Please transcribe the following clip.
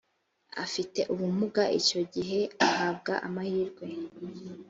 ufite ubumuga icyo gihe ahabwa amahirwe